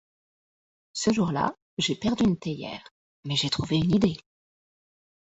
Ce jour-là, j’ai perdu une théière, mais j’ai trouvé une idée.